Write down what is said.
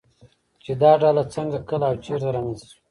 چې دا ډله څنگه، کله او چېرته رامنځته شوه